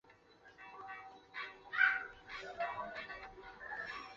弗洛伊德也曾提出过一种游戏的理论。